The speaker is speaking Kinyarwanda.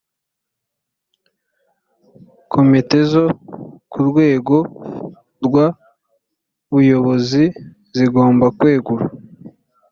komitezo ku rwego rw buyobozi zigomba kwegura